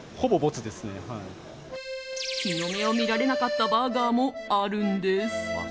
日の目を見られなかったバーガーもあるんです。